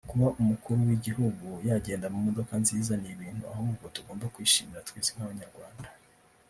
kuba umukuru wigihugu yagenda mumodoka nziza nibintu ahubwo tugomba kwishimira twese nkabanyarwanda